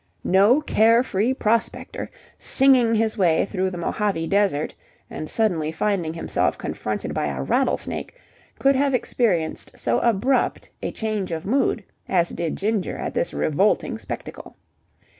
No care free prospector, singing his way through the Mojave Desert and suddenly finding himself confronted by a rattlesnake, could have experienced so abrupt a change of mood as did Ginger at this revolting spectacle.